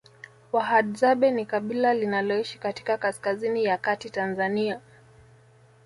Wahadzabe ni kabila linaloishi katika kaskazini ya kati Tanzania